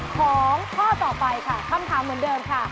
ข้อต่อไปค่ะคำถามเหมือนเดิมค่ะ